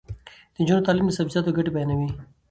د نجونو تعلیم د سبزیجاتو ګټې بیانوي.